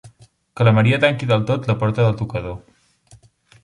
Que la Maria tanqui del tot la porta del tocador.